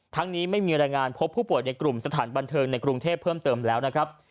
นี้ไม่มีรายงานพบผู้ป่วยในกลุ่มสถานบันเทิงในกรุงเทพเพิ่มเติมแล้วนะครับ